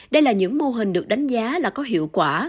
đây là những mô hình được đánh giá là có hiệu quả